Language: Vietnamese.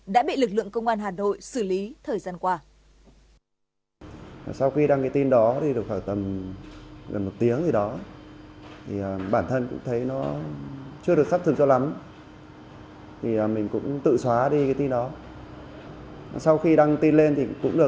đã bị lực lượng công an hà nội xử lý thời gian qua